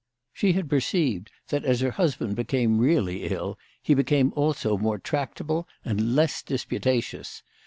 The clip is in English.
She had perceived that as her husband became really ill he became also more tractable and less disputatious.